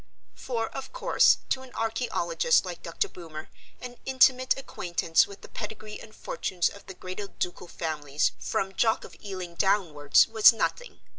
For, of course, to an archaeologist like Dr. Boomer an intimate acquaintance with the pedigree and fortunes of the greater ducal families from Jock of Ealing downwards was nothing.